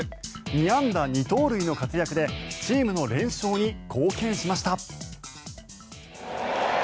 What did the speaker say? ２安打２盗塁の活躍でチームの連勝に貢献しました。